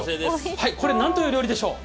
何ていう料理でしょう？